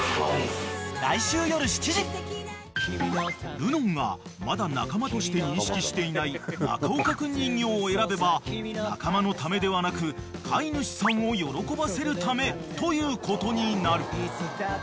［るのんがまだ仲間として認識していない中岡くん人形を選べば仲間のためではなく飼い主さんを喜ばせるためということになる］